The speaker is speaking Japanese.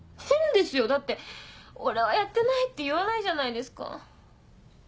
変ですよだって「俺はやってない」って言わないじゃないですか。